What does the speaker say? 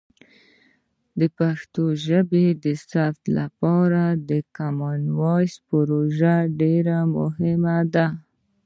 د پښتو ژبې د ثبت لپاره د کامن وایس پروژه ډیر مهمه ده.